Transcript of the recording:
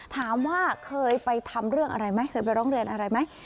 ถามว่าเคยไปทำเรื่องอะไรไหมเคยไปร้องเรียนอะไรไหม